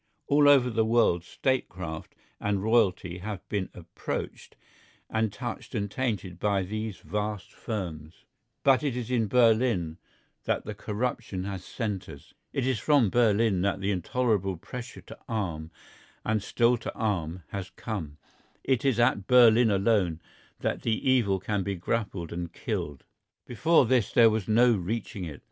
All over the world statecraft and royalty have been approached and touched and tainted by these vast firms, but it is in Berlin that the corruption has centred, it is from Berlin that the intolerable pressure to arm and still to arm has come, it is at Berlin alone that the evil can be grappled and killed. Before this there was no reaching it.